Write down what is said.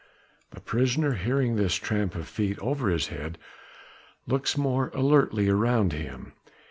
The prisoner, hearing this tramp of feet over his head, looks more alertly around him.